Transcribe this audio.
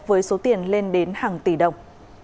với số tiền lên đến hàng tỷ đồng